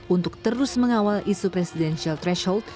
untuk terus mengawal isu presidensial threshold